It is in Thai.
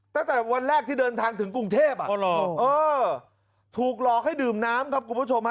แต่จะวันแรกที่เดินทางถึงกรุงเทพฯถูกต้องรอดให้ดื่มน้ำครับคุณผู้ชม